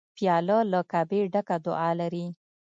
پیاله له کعبې ډکه دعا لري.